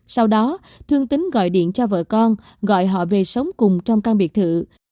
sau đó thương tính gọi điện cho vợ con gọi họ về sống cùng trong căn biệt thự